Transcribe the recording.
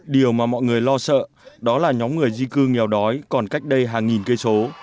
điều mà mọi người lo sợ đó là nhóm người di cư nghèo đói còn cách đây hàng nghìn cây số